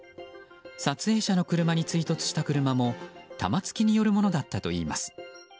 撮影者の車に追突した車も玉突きによるものだったといいます。